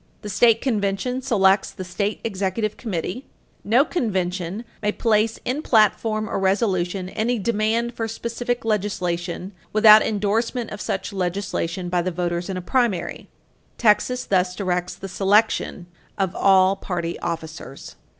The state convention selects the state executive committee. No convention may place in platform or resolution any demand for specific legislation without endorsement of such legislation by the voters in a primary. Texas thus directs the selection of all party officers.